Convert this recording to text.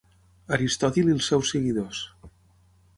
Aristòtil i els seus seguidors.